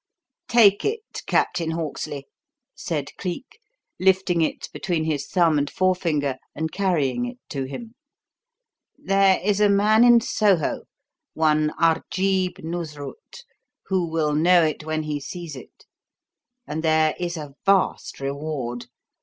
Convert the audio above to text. "Take it, Captain Hawksley," said Cleek, lifting it between his thumb and forefinger and carrying it to him. "There is a man in Soho one Arjeeb Noosrut who will know it when he sees it; and there is a vast reward.